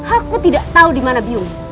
aku tidak tahu dimana biungmu